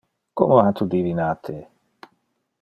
Como ha tu divinate?